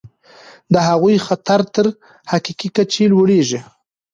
د هغوی خطر تر حقیقي کچې لوړیږي.